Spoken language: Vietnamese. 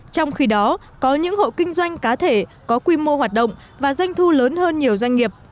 trong khi đó có những hộ kinh doanh cá thể có quy mô hoạt động và doanh thu lớn hơn nhiều doanh nghiệp